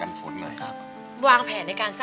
อันดับนี้เป็นแบบนี้